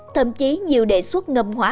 thậm chí nhiều đề xuất ngầm hóa